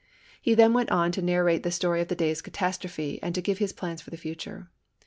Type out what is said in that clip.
He then went on to narrate the story of the day's catastrophe and to give his plans for the future.